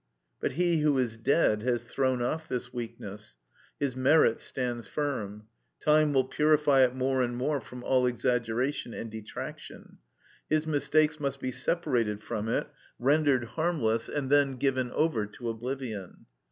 But he who is dead has thrown off this weakness; his merit stands firm; time will purify it more and more from all exaggeration and detraction. His mistakes must be separated from it, rendered harmless, and then given over to oblivion.